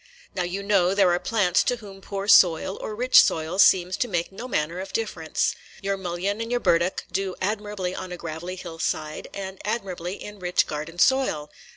Now you know there are plants to whom poor soil or rich soil seems to make no manner of difference. Your mullein and your burdock do admirably on a gravelly hillside, and admirably in rich garden soil.